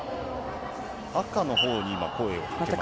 赤のほうに声をかけましたね。